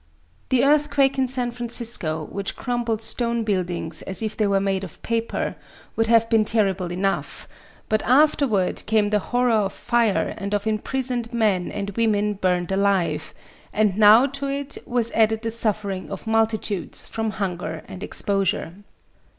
The earthquake in San Francisco, which crumbled strong buildings as if they were made of paper, would have been terrible enough; but afterward came the horror of fire and of imprisoned men and women burned alive, and now to it was added the suffering of multitudes from hunger and exposure.